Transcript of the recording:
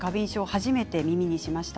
初めて耳にしました。